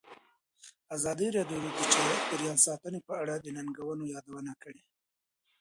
ازادي راډیو د چاپیریال ساتنه په اړه د ننګونو یادونه کړې.